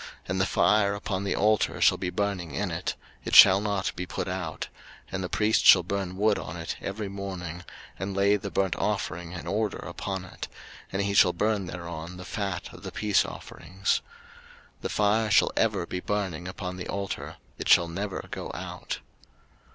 03:006:012 And the fire upon the altar shall be burning in it; it shall not be put out: and the priest shall burn wood on it every morning, and lay the burnt offering in order upon it; and he shall burn thereon the fat of the peace offerings. 03:006:013 The fire shall ever be burning upon the altar; it shall never go out.